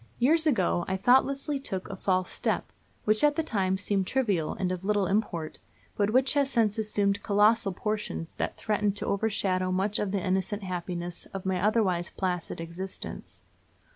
Years ago I thoughtlessly took a false step, which at the time seemed trivial and of little import, but which has since assumed colossal proportions that threaten to overshadow much of the innocent happiness of my otherwise placid existence.